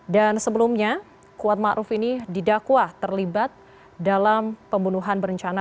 dan sebelumnya kuat ma'ruf ini didakwa terlibat dalam pembunuhan berencana